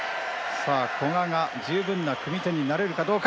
さあ、古賀が十分な組み手になれるかどうか。